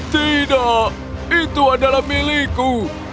tidak itu adalah milikku